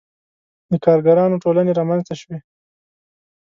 • د کارګرانو ټولنې رامنځته شوې.